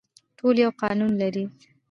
ټول یو قانون لري